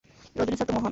রজনী sir তো মহান!